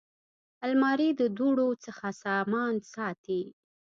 الماري د دوړو څخه سامان ساتي